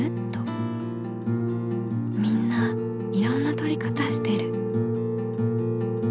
みんないろんなとりかたしてる。